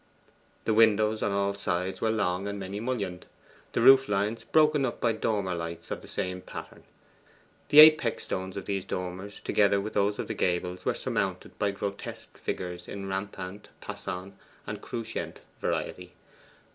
The windows on all sides were long and many mullioned; the roof lines broken up by dormer lights of the same pattern. The apex stones of these dormers, together with those of the gables, were surmounted by grotesque figures in rampant, passant, and couchant variety.